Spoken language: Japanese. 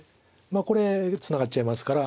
これツナがっちゃいますから。